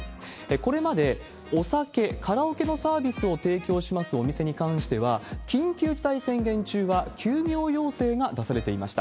これまで、お酒、カラオケのサービスを提供しますお店に関しては、緊急事態宣言中は休業要請が出されていました。